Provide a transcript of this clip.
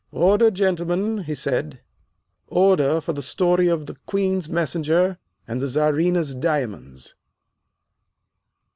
"Order, gentlemen," he said. "Order for the story of the Queen's Messenger and the Czarina's diamonds."